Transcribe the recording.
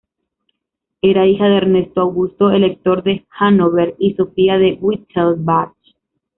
Era hija de Ernesto Augusto, elector de Hannover, y Sofía de Wittelsbach.